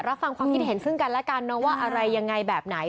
รับฟังความคิดเห็นซึ่งกันแล้วกันนะว่าอะไรยังไงแบบไหน